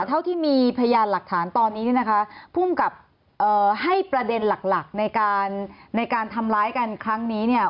เท่าที่มีพยานหลักฐานตอนนี้เนี่ยนะคะภูมิกับให้ประเด็นหลักในการในการทำร้ายกันครั้งนี้เนี่ย